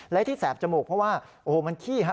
และที่แสบจมูกเพราะว่าโอ้โหมันขี้ครับ